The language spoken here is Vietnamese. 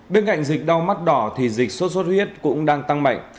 bên cạnh dịch đau mắt đỏ thì dịch sốt xuất huyết cũng đang tăng mạnh